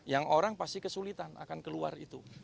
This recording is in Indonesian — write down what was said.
yang orang pasti kesulitan akan keluar itu